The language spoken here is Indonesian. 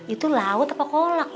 itu laut apa kolak